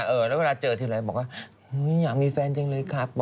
แล้วเมื่อปราเสริมก็แบบไม่อยากมีแฟนจริงเลยครับ